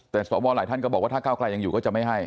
แต่สวหลายท่านก็บอกว่าถ้าก้าวไกลยังอยู่ก็จะไม่ให้